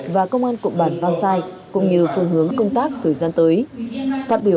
và công an cộng bản vang sai cũng như phương hướng công tác thời gian tới